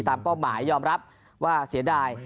เป้าหมายยอมรับว่าเสียดาย